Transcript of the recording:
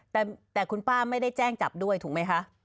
แต่คุณป้าไม่ได้แจ้งจับด้วยถูกไหมคะ